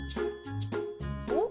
おっ？